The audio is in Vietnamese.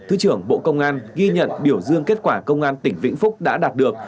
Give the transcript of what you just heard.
thứ trưởng bộ công an ghi nhận biểu dương kết quả công an tỉnh vĩnh phúc đã đạt được